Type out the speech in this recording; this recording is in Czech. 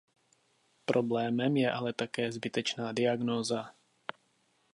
Problémem je ale také zbytečná diagnóza.